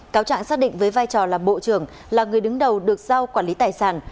cáo trạng xác định với vai trò là bộ trưởng là người đứng đầu được giao quản lý tài sản